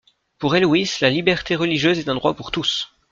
Pour Helwys, la liberté religieuse est un droit pour tous.